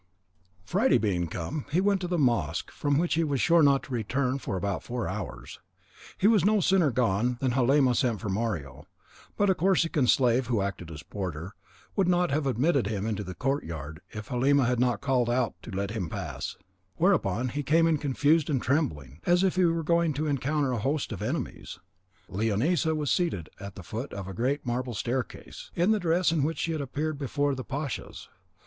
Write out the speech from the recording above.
Friday being come, he went to the mosque, from which he was sure not to return for about four hours. He was no sooner gone than Halima sent for Mario; but a Corsican slave who acted as porter, would not have admitted him into the court yard if Halima had not called out to let him pass, whereupon he came in confused and trembling as if he were going to encounter a host of enemies. Leonisa was seated at the foot of a great marble staircase, in the dress in which she had appeared before the pashas.